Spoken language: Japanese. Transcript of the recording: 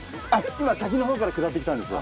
今滝のほうから下ってきたんですよ。